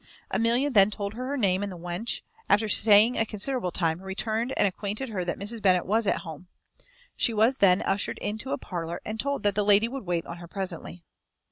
Amelia then told her name, and the wench, after staying a considerable time, returned and acquainted her that Mrs. Bennet was at home. She was then ushered into a parlour and told that the lady would wait on her presently.